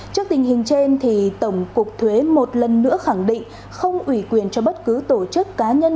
trước tình hình trên tổng cục thuế một lần nữa khẳng định không ủy quyền cho bất cứ tổ chức cá nhân